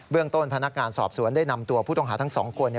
เรื่องต้นพนักงานสอบสวนได้นำตัวผู้ต้องหาทั้งสองคน